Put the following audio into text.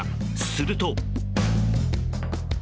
すると。